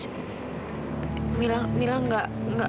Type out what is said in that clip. kak fadil ya mila tahu mungkin ini ini memang sangat egois